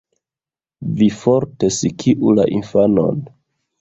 Vi forte skuu la infanon